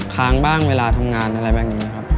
ค้างบ้างเวลาทำงานอะไรแบบนี้ครับ